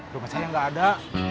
dompet saya nggak ada